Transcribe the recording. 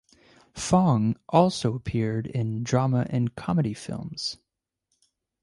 Fong also appeared in drama and comedy films.